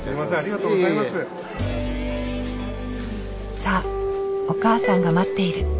さあお母さんが待っている。